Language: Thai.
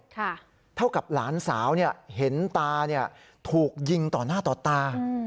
ก็เท่ากับหลานสาวเห็นตาถูกยิงต่อหน้าต่อตา